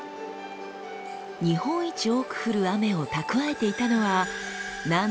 日本一多く降る雨を蓄えていたのはなんとコケ。